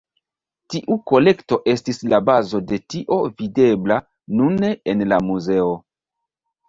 Tiu kolekto estis la bazo de tio videbla nune en la muzeo.